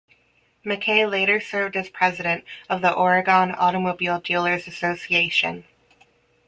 McKay later served as president of the Oregon Automobile Dealer's Association.